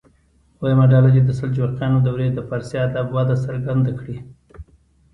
دویمه ډله دې د سلجوقیانو دورې د فارسي ادب وده څرګنده کړي.